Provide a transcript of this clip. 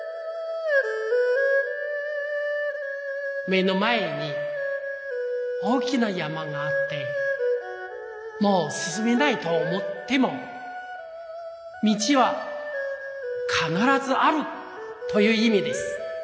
目の前に大きな山があってもうすすめないと思っても「道は必ずある」といういみです。